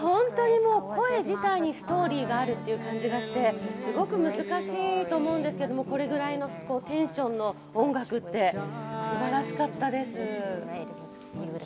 声自体にストーリーがあるという感じがしてすごく難しいと思うんですけれど、これぐらいのテンションの音楽って素晴らしかったです。